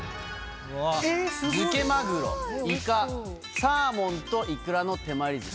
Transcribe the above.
漬けマグロ、イカ、サーモンといくらの手まりずし。